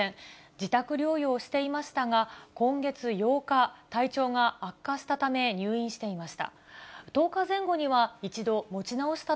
自宅療養をしていましたが、今月８日、体調が悪化したため、入院していました。